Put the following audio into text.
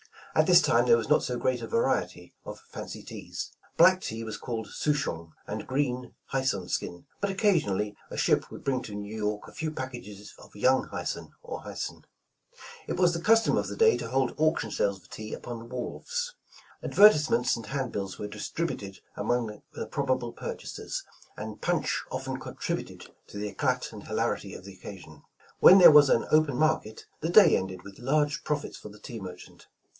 At this time there was not so great a variety of fancy teas. Black tea was called souchong, and green, hyson skin; but occasion ally a ship would bring to New York a few packages of young hyson or hyson. '' It was the custom of the day to hold auction sales of tea upon the wharves. Advertisements and handbills were distributed among the probable purchasers, and punch often contributed to tho eclat and hilarity of the occasion. When there was an "open market" the day ended with large profits for the tea merchant.